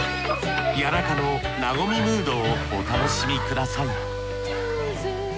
谷中の和みムードをお楽しみください